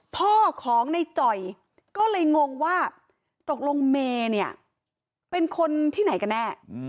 พ่อของในจ่อยก็เลยงงว่าตกลงเมย์เนี่ยเป็นคนที่ไหนกันแน่